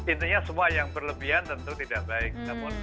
intinya semua yang berlebihan tentu tidak baik